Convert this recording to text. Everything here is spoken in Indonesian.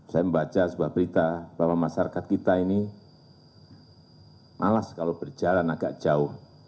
saya membaca sebuah berita bahwa masyarakat kita ini malas kalau berjalan agak jauh